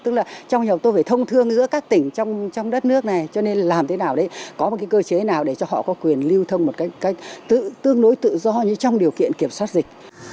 tức là trong nhà đầu tôi phải thông thương giữa các tỉnh trong đất nước này cho nên làm thế nào đấy có một cái cơ chế nào để cho họ có quyền lưu thông một cách tự tương đối tự do như trong điều kiện kiểm soát dịch